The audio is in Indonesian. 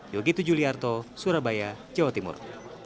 yogyakarta surabaya jawa timur